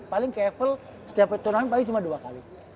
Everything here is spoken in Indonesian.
paling ke affel setiap turnamen paling cuma dua kali